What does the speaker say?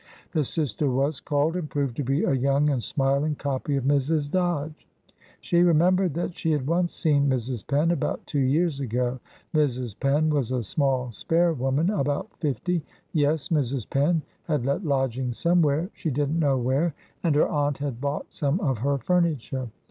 The sister was called, and proved to be a young and smiling copy of Mrs. Dodge. She remembered that she had once seen Mrs. Penn, about two years ago. Mrs. Penn was a small spare woman about fifty. Yes; Mrs. Penn had let lodgings somewhere she didn't know where and her aunt had bought some of her furniture.